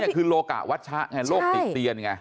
คือโลกะวัชชะไงโลกติกเตียนไง